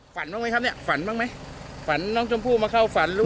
ฝันบ้างมั้ยครับเนี่ยฝันบ้างมั้ยฝันน้องชมพู่มาเข้าฝันหรือ